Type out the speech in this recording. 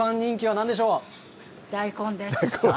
大根です。